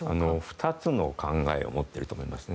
２つの考えを持っていると思いますね。